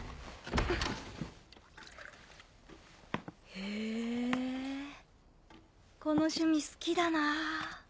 へぇこの趣味好きだなぁ。